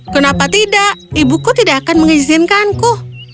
kenapa tidak ibuku tidak akan mengizinkanku